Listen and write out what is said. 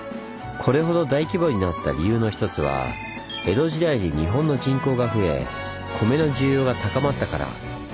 これほど大規模になった理由の一つは江戸時代に日本の人口が増え米の需要が高まったから。